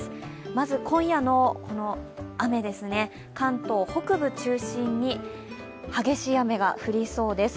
まず今夜の雨ですね関東北部を中心に激しい雨が降りそうです。